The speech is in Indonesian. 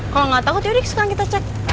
kalau ga takut yaudah sekarang kita cek